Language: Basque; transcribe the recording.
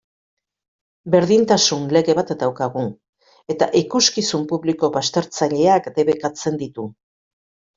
Berdintasun lege bat daukagu, eta ikuskizun publiko baztertzaileak debekatzen ditu.